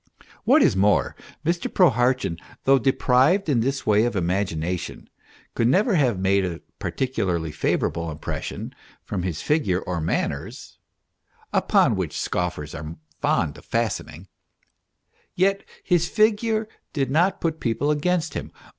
What is more, Mr. Prohartchin, though deprived in this way of imagination, could never have made a particularly favour able impression from his figure or manners (upon which scoffers are fond of fastening), yet his figure did not put people against him.